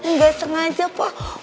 nggak sengaja pak